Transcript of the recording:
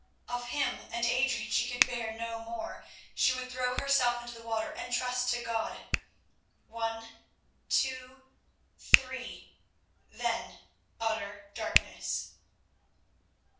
Of him and Adrian she could bear no more; she would throw herself into the water and trust to God. One, two, three—then utter darkness.